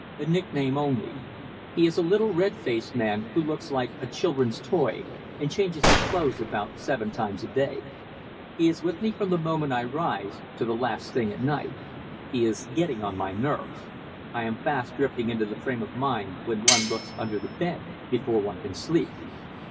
"A nickname only. He is a little red faced man who looks like a children's toy and changes his clothes about seven times a day. He is with me from the moment I rise to the last thing at night. He is getting on my nerves. I am fast drifting into the frame of mind when one looks under the bed before one can sleep."